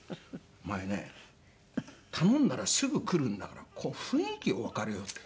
「お前ね頼んだらすぐ来るんだから雰囲気をわかれよ」って。